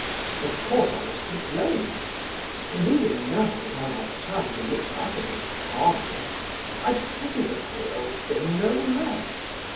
Of course I was to blame, and even now that I have time to look back at it calmly, I pity the poor old thing no less.